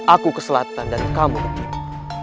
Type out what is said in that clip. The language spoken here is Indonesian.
aku ke selatan dan kamu ke kiri